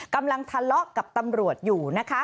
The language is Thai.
กำลังทะเลาะกับตำรวจอยู่นะคะ